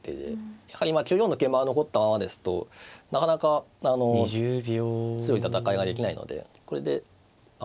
やはり９四の桂馬が残ったままですとなかなか強い戦いができないのでこれで攻めを催促しましたね。